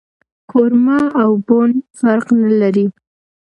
کورمه او بوڼ فرق نه لري